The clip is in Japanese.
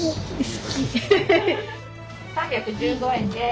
３１５円です。